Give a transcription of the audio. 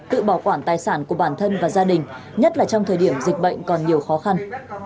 tự bảo quản tài sản của bản thân và gia đình nhất là trong thời điểm dịch bệnh còn nhiều khó khăn